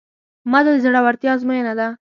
ماته د زړورتیا ازموینه ده.